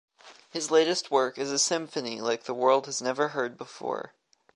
His latest work is a symphony like the world has never heard before.